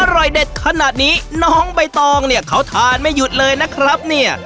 อร่อยเด็ดขนาดนี้น้องใบตองเนี่ยเขาทานไม่หยุดเลยนะครับเนี่ย